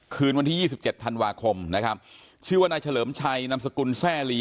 คืนวันที่ยี่สิบเจ็ดธันวาคมนะครับชื่อว่านายเฉลิมชัยนามสกุลแซ่ลี